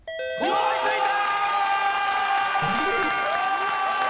追いついた！